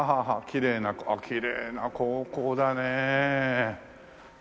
きれいなきれいな高校だね。